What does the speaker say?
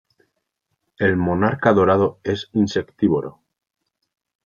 El monarca dorado es insectívoro.